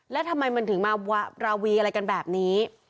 แล้วทำไมมันถึงมาราวีอะไรกันแบบนี้